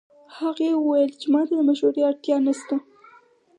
هغې وویل چې ما ته د مشورې اړتیا نه شته